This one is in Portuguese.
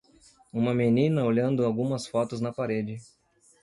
Uma menina olhando algumas fotos na parede.